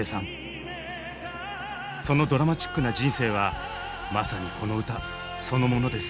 そのドラマチックな人生はまさにこの歌そのものです。